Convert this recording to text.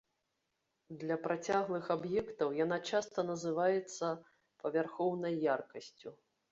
Для працяглых аб'ектаў яна часта называецца павярхоўнай яркасцю.